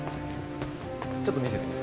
ちょっと見せて。